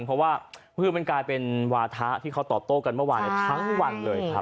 เพราะว่าคือมันกลายเป็นวาถะที่เขาตอบโต้กันเมื่อวานทั้งวันเลยครับ